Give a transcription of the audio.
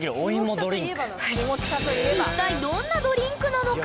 一体どんなドリンクなのか？